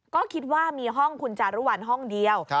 ก็คิดว่ามีห้องคุณจารุวัลห้องเดียว